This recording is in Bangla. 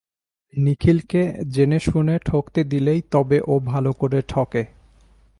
নিখিলকে জেনেশুনে ঠকতে দিলেই তবে ও ভালো করে ঠকে।